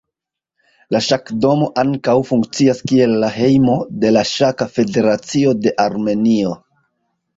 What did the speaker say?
La ŝakdomo ankaŭ funkcias kiel la hejmo de la Ŝaka Federacio de Armenio.